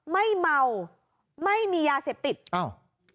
ไม่เมาไม่มียาเสพติดอ้าว